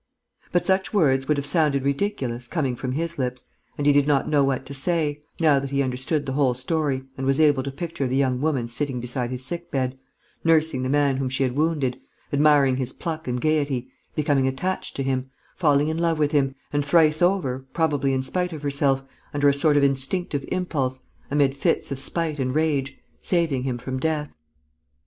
But such words would have sounded ridiculous, coming from his lips, and he did not know what to say, now that he understood the whole story and was able to picture the young woman sitting beside his sick bed, nursing the man whom she had wounded, admiring his pluck and gaiety, becoming attached to him, falling in love with him and thrice over, probably in spite of herself, under a sort of instinctive impulse, amid fits of spite and rage, saving him from death.